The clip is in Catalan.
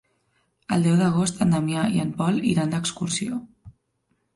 El deu d'agost en Damià i en Pol iran d'excursió.